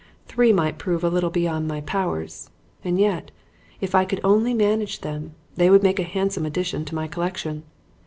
Three might prove a little beyond my powers. And yet, if I could only manage them, they would make a handsome addition to my collection.